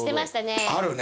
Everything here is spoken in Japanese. あるね。